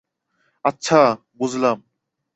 আচ্ছা, বুঝলাম!